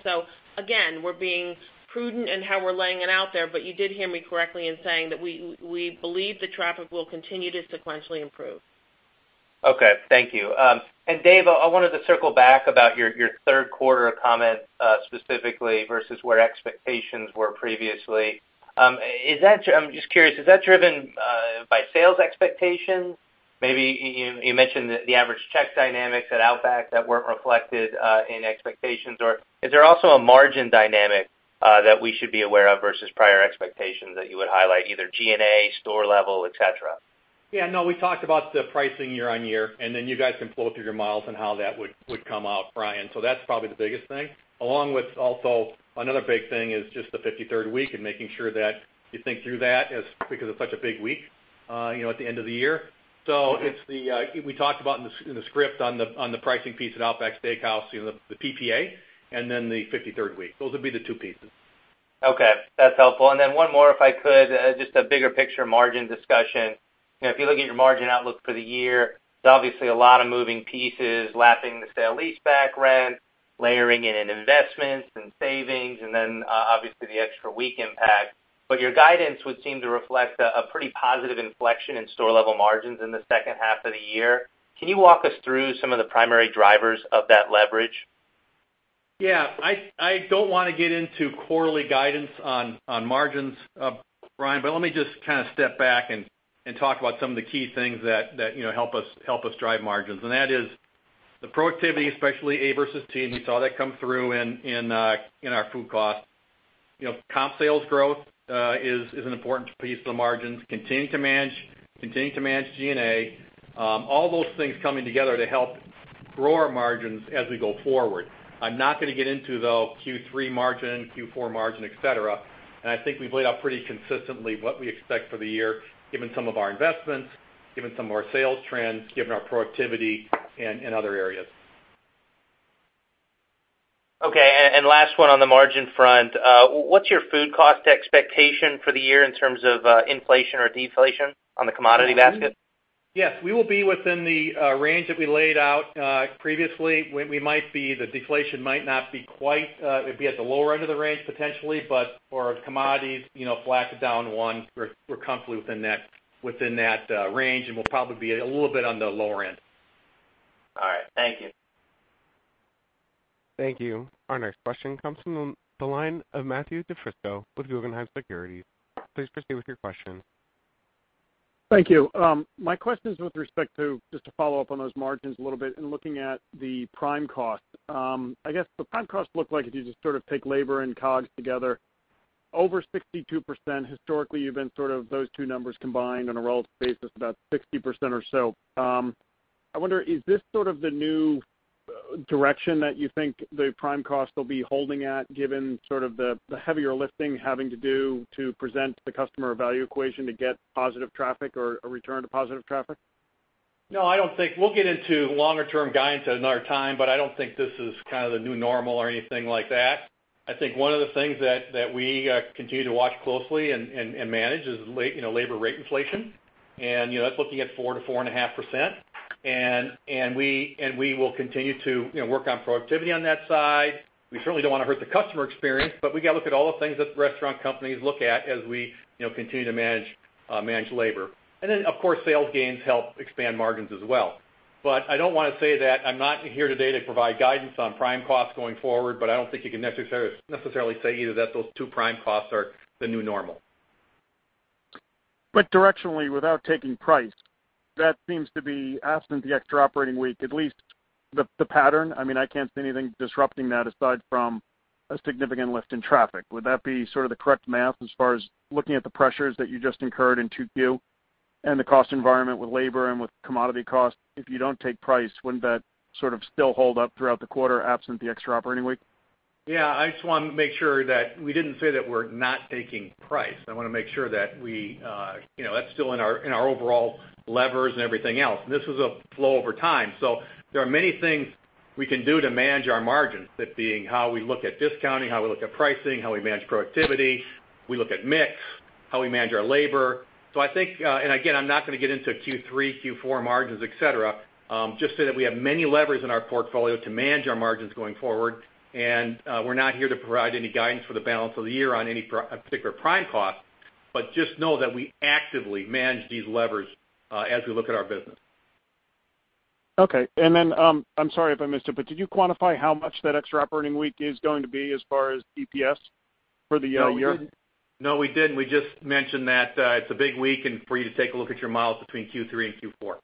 Again, we're being prudent in how we're laying it out there, but you did hear me correctly in saying that we believe the traffic will continue to sequentially improve. Okay, thank you. Dave, I wanted to circle back about your third quarter comment specifically versus where expectations were previously. I'm just curious, is that driven by sales expectations? Maybe you mentioned the average check dynamics at Outback that weren't reflected in expectations, or is there also a margin dynamic that we should be aware of versus prior expectations that you would highlight, either G&A, store level, et cetera? Yeah, no, we talked about the pricing year-over-year. You guys can pull through your models on how that would come out, Brian. That's probably the biggest thing. Along with also another big thing is just the 53rd week and making sure that you think through that because it's such a big week at the end of the year. We talked about in the script on the pricing piece at Outback Steakhouse, the PPA, and then the 53rd week. Those would be the two pieces. Okay, that's helpful. One more, if I could, just a bigger picture margin discussion. If you look at your margin outlook for the year, there's obviously a lot of moving pieces, lapping the sale leaseback rent, layering in investments and savings, and then obviously the extra week impact. Your guidance would seem to reflect a pretty positive inflection in store-level margins in the second half of the year. Can you walk us through some of the primary drivers of that leverage? Yeah. I don't want to get into quarterly guidance on margins, Brian, let me just step back and talk about some of the key things that help us drive margins. That is the productivity, especially A vs. T, and you saw that come through in our food cost. Comp sales growth is an important piece of the margins. Continuing to manage G&A. All those things coming together to help grow our margins as we go forward. I'm not going to get into, though, Q3 margin, Q4 margin, et cetera, I think we've laid out pretty consistently what we expect for the year, given some of our investments, given some of our sales trends, given our productivity in other areas. Okay, last one on the margin front. What's your food cost expectation for the year in terms of inflation or deflation on the commodity basket? Yes. We will be within the range that we laid out previously. The deflation might not be quite It'd be at the lower end of the range, potentially, for commodities, flat to down one, we're comfortable within that range, we'll probably be a little bit on the lower end. All right. Thank you. Thank you. Our next question comes from the line of Matthew DiFrisco with Guggenheim Securities. Please proceed with your question. Thank you. My question is with respect to, just to follow up on those margins a little bit and looking at the prime cost. I guess the prime cost looked like if you just take labor and COGS together, over 62%. Historically, you've been those two numbers combined on a relative basis, about 60% or so. I wonder, is this sort of the new direction that you think the prime cost will be holding at, given the heavier lifting having to do to present the customer value equation to get positive traffic or a return to positive traffic? No. We'll get into longer term guidance another time, I don't think this is the new normal or anything like that. I think one of the things that we continue to watch closely and manage is labor rate inflation, and that's looking at 4%-4.5%. We will continue to work on productivity on that side. We certainly don't want to hurt the customer experience, we got to look at all the things that restaurant companies look at as we continue to manage labor. Then, of course, sales gains help expand margins as well. I don't want to say that I'm not here today to provide guidance on prime costs going forward, I don't think you can necessarily say either that those two prime costs are the new normal. Directionally, without taking price, that seems to be absent the extra operating week, at least the pattern. I can't see anything disrupting that aside from a significant lift in traffic. Would that be the correct math as far as looking at the pressures that you just incurred in 2Q and the cost environment with labor and with commodity costs? If you don't take price, wouldn't that still hold up throughout the quarter absent the extra operating week? Yeah. I just want to make sure that we didn't say that we're not taking price. I want to make sure that's still in our overall levers and everything else, and this was a flow over time. There are many things we can do to manage our margins, that being how we look at discounting, how we look at pricing, how we manage productivity, we look at mix, how we manage our labor. I think, and again, I'm not going to get into Q3, Q4 margins, et cetera, just say that we have many levers in our portfolio to manage our margins going forward, and we're not here to provide any guidance for the balance of the year on any particular prime cost, but just know that we actively manage these levers as we look at our business. Okay. I'm sorry if I missed it, but did you quantify how much that extra operating week is going to be as far as EPS for the year? No, we didn't. We just mentioned that it's a big week and for you to take a look at your models between Q3 and Q4.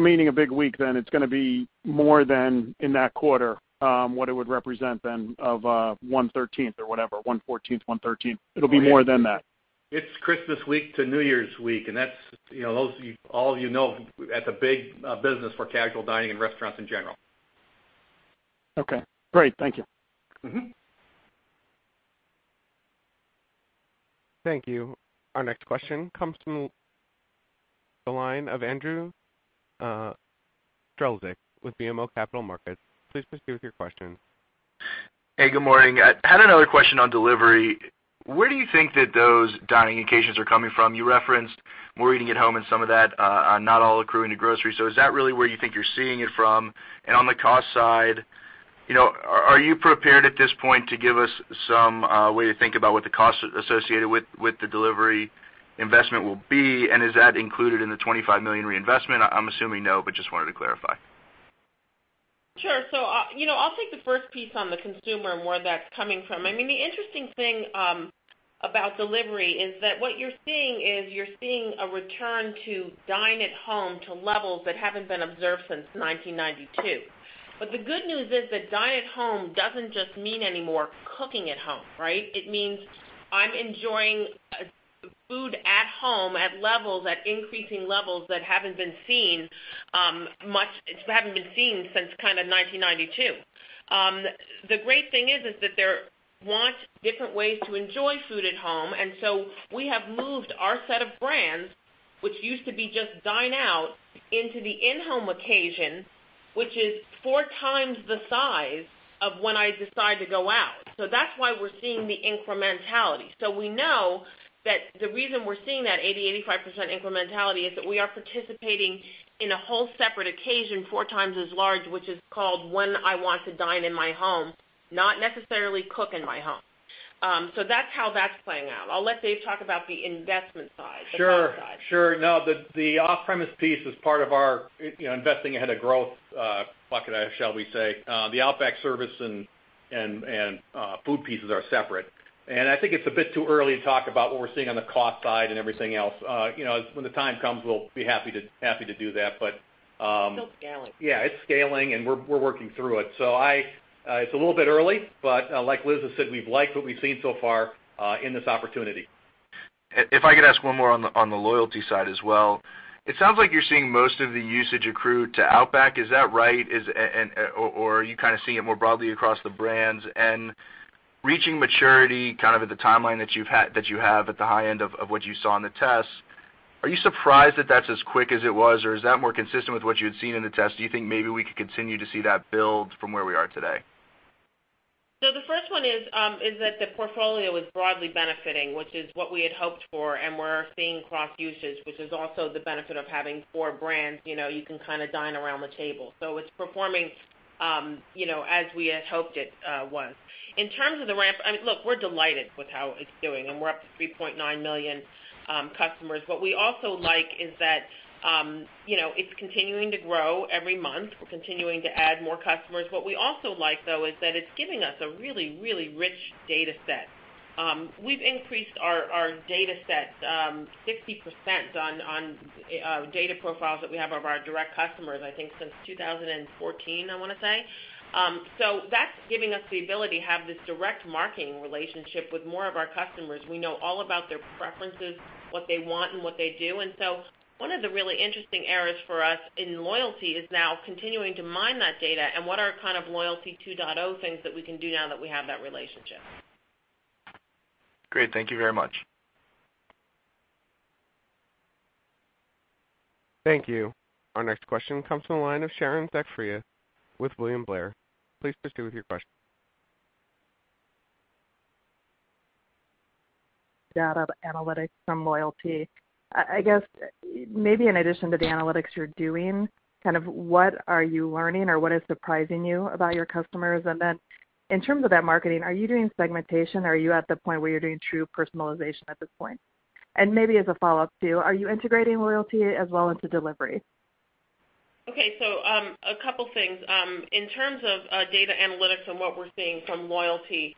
Meaning a big week, then it's going to be more than in that quarter, what it would represent then of one 13th or whatever, 114th, 113th. It'll be more than that. It's Christmas week to New Year's week, all of you know that's a big business for casual dining and restaurants in general. Okay, great. Thank you. Thank you. Our next question comes from the line of Andrew Strelzik with BMO Capital Markets. Please proceed with your question. Hey, good morning. I had another question on delivery. Where do you think that those dining occasions are coming from? You referenced more eating at home and some of that not all accruing to grocery. Is that really where you think you're seeing it from? On the cost side, are you prepared at this point to give us some way to think about what the cost associated with the delivery investment will be? Is that included in the $25 million reinvestment? I'm assuming no, but just wanted to clarify. Sure. I'll take the first piece on the consumer and where that's coming from. The interesting thing about delivery is that what you're seeing is you're seeing a return to dine at home to levels that haven't been observed since 1992. The good news is that dine at home doesn't just mean anymore cooking at home, right? It means I'm enjoying food at home at increasing levels that haven't been seen since 1992. The great thing is that there wants different ways to enjoy food at home. We have moved our set of brands, which used to be just dine out, into the in-home occasion, which is four times the size of when I decide to go out. That's why we're seeing the incrementality. We know that the reason we're seeing that 80%-85% incrementality is that we are participating in a whole separate occasion, four times as large, which is called when I want to dine in my home, not necessarily cook in my home. That's how that's playing out. I'll let Dave talk about the investment side, the cost side. Sure. The off-premise piece is part of our investing ahead of growth bucket, shall we say. The Outback service and food pieces are separate. I think it's a bit too early to talk about what we're seeing on the cost side and everything else. When the time comes, we'll be happy to do that. It's still scaling. it's scaling, and we're working through it. It's a little bit early, like Liz has said, we've liked what we've seen so far in this opportunity. If I could ask one more on the loyalty side as well. It sounds like you're seeing most of the usage accrue to Outback. Is that right? Are you seeing it more broadly across the brands? Reaching maturity at the timeline that you have at the high end of what you saw in the test, are you surprised that that's as quick as it was, or is that more consistent with what you had seen in the test? Do you think maybe we could continue to see that build from where we are today? The first one is that the portfolio is broadly benefiting, which is what we had hoped for, and we're seeing cross-usage, which is also the benefit of having four brands. You can dine around the table. It's performing as we had hoped it was. In terms of the ramp, look, we're delighted with how it's doing, and we're up to 3.9 million customers. What we also like is that it's continuing to grow every month. We're continuing to add more customers. What we also like, though, is that it's giving us a really rich data set. We've increased our data set 60% on data profiles that we have of our direct customers, I think since 2014, I want to say. That's giving us the ability to have this direct marketing relationship with more of our customers. We know all about their preferences, what they want, and what they do. One of the really interesting areas for us in loyalty is now continuing to mine that data and what are kind of loyalty 2.0 things that we can do now that we have that relationship. Great. Thank you very much. Thank you. Our next question comes from the line of Sharon Zackfia with William Blair. Please proceed with your question. Data analytics from loyalty. I guess maybe in addition to the analytics you're doing, what are you learning or what is surprising you about your customers? Then in terms of that marketing, are you doing segmentation? Are you at the point where you're doing true personalization at this point? Maybe as a follow-up too, are you integrating loyalty as well into delivery? Okay. A couple things. In terms of data analytics and what we're seeing from loyalty,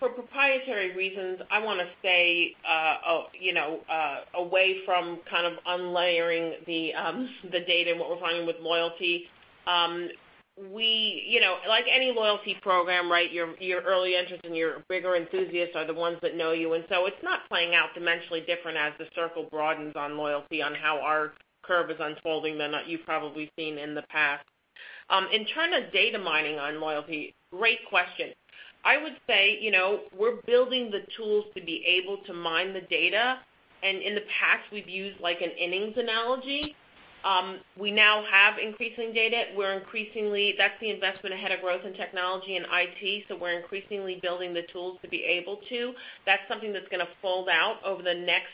for proprietary reasons, I want to stay away from unlayering the data and what we're finding with loyalty. Like any loyalty program, your early entrants and your bigger enthusiasts are the ones that know you. So it's not playing out dimensionally different as the circle broadens on loyalty, on how our curve is unfolding than you've probably seen in the past. In terms of data mining on loyalty, great question. I would say, we're building the tools to be able to mine the data, and in the past we've used an innings analogy. We now have increasing data. That's the investment ahead of growth in technology and IT, so we're increasingly building the tools to be able to. That's something that's going to fold out over the next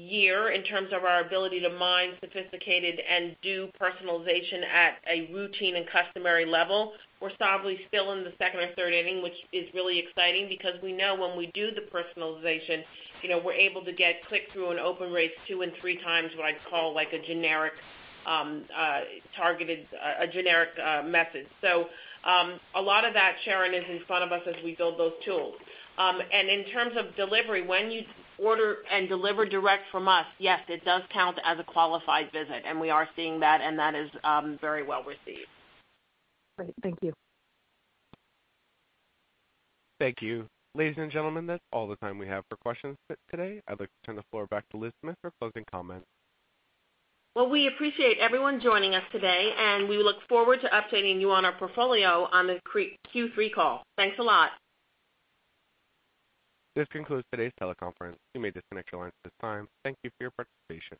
year in terms of our ability to mine sophisticated and do personalization at a routine and customary level. We're solidly still in the second or third inning, which is really exciting because we know when we do the personalization, we're able to get click-through and open rates two and three times what I'd call a generic method. A lot of that, Sharon, is in front of us as we build those tools. In terms of delivery, when you order and deliver direct from us, yes, it does count as a qualified visit, and we are seeing that, and that is very well received. Great. Thank you. Thank you. Ladies and gentlemen, that's all the time we have for questions today. I'd like to turn the floor back to Liz Smith for closing comments. We appreciate everyone joining us today, and we look forward to updating you on our portfolio on the Q3 call. Thanks a lot. This concludes today's teleconference. You may disconnect your lines at this time. Thank you for your participation.